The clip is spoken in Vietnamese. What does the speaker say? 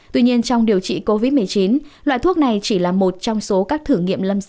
tuy nhiên trong điều trị covid một mươi chín loại thuốc này chỉ là một trong số các thử nghiệm lâm sàng